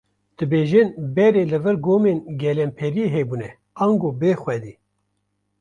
Dibêjin berê li vir gomên gelemperiyê hebûne, ango bêxwedî.